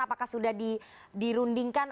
apakah sudah dirundingkan